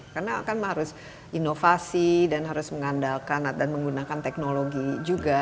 karena kan harus inovasi dan harus mengandalkan dan menggunakan teknologi juga